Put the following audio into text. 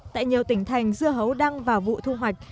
tại nhiều tỉnh thành dưa hấu đang vào vụ thu hoạch